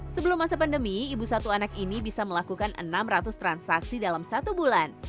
sebelum masa pandemi ibu satu anak ini bisa melakukan enam ratus transaksi dalam satu bulan